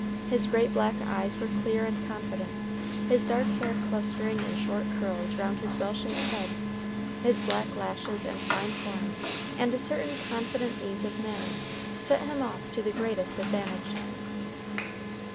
His great black eyes were clear and confident: his dark hair clustering in short curls round his well shaped head; his black lashes, and fine form, and a certain confident ease of manner, set him off to the greatest advantage.